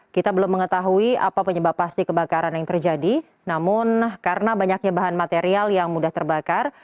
kita belum mengetahui apa penyebab pasti kebakaran yang terjadi namun karena banyaknya bahan material yang mudah terbakar